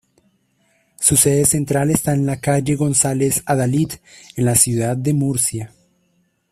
Su sede central está en la calle González Adalid en la ciudad de Murcia.